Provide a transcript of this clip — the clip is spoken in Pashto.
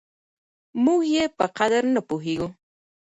موږ يې په قدر نه پوهېږو.